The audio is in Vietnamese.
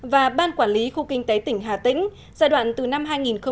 và ban quản lý khu kinh tế tỉnh hà tĩnh giai đoạn từ năm hai nghìn tám hai nghìn một mươi